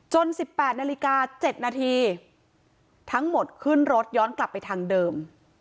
๑๘นาฬิกา๗นาทีทั้งหมดขึ้นรถย้อนกลับไปทางเดิม